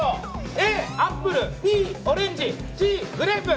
Ａ、アップルＢ、オレンジＣ、グレープ。